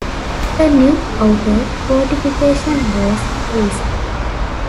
A new outer fortification was raised.